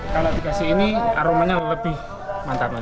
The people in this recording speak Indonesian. kalau dikasih ini aromanya lebih mantap